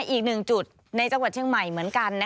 อีกหนึ่งจุดในจังหวัดเชียงใหม่เหมือนกัน